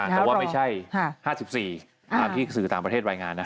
แต่ว่าไม่ใช่๕๔ตามที่สื่อต่างประเทศรายงานนะ